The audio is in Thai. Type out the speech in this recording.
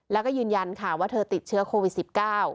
แล้วก็ยืนยันค่ะว่าเธอติดเชื้อโควิด๑๙